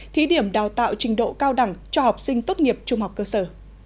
thí điểm đào tạo trình độ cao đẳng cho học sinh tốt nghiệp trung học cơ sở